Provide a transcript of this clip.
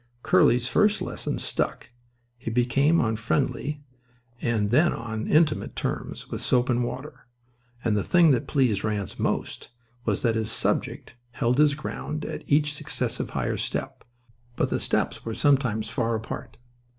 Curly's first lesson stuck. He became on friendly and then on intimate terms with soap and water. And the thing that pleased Ranse most was that his "subject" held his ground at each successive higher step. But the steps were sometimes far apart.